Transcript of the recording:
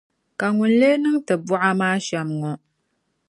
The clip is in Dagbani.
Ka ŋuni n-leei niŋ ti buɣa maa shɛm ŋɔ?